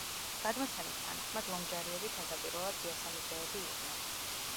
გადმოცემის თანახმად, ლომჯარიები თავდაპირველად დიასამიძეები იყვნენ.